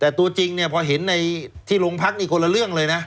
แต่ตัวจริงเนี่ยพอเห็นในที่โรงพักนี่คนละเรื่องเลยนะ